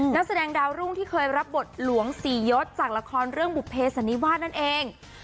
นักแสดงดาวรุ่งที่เคยรับบทหลวงสี่ยศจากละครเรื่องบุภเพสันนิวาสนั่นเอง